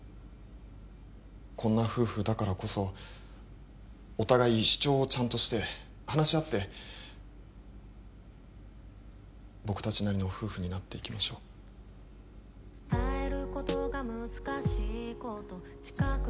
こんな夫婦だからこそお互い主張をちゃんとして話し合って僕達なりの夫婦になっていきましょう電池？